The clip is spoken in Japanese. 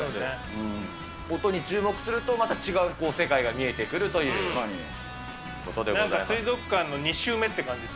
音に注目すると、また違う世界が見えてくるということでございます。